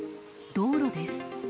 道路です。